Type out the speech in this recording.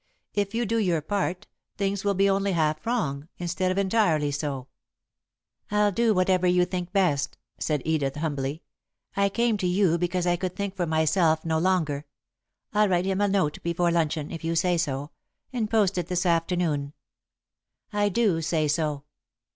If you do your part, things will be only half wrong, instead of entirely so." "I'll do whatever you think best," said Edith, humbly. "I came to you because I could think for myself no longer. I'll write him a note before luncheon, if you say so, and post it this afternoon." "I do say so."